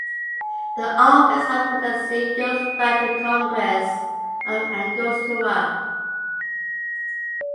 The Office of the Presidency goes back to the Congress of Angostura.